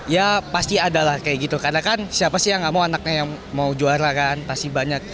ya pasti adalah kayak gitu karena kan siapa sih yang gak mau anaknya yang mau juara kan pasti banyak